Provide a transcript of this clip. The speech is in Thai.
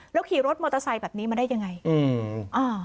ขี่รถมอเตอร์ไซค์แบบนี้มาได้ยังไงอืมอ่า